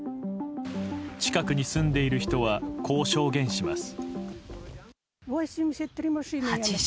近くに住んでいる人はこう証言します。